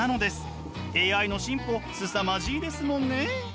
ＡＩの進歩すさまじいですもんね。